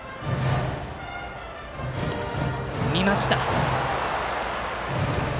見ました。